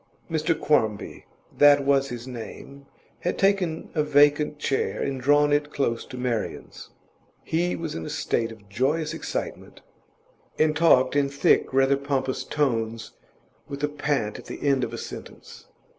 Mr Quarmby that was his name had taken a vacant chair and drawn it close to Marian's. He was in a state of joyous excitement, and talked in thick, rather pompous tones, with a pant at the end of a sentence.